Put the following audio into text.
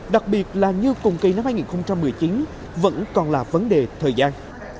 đặc biệt là như cùng kỳ năm hai nghìn một mươi chín vẫn còn là vấn đề thời gian